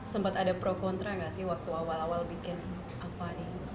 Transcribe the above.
sempat ada pro kontra gak sih waktu awal awal bikin apa nih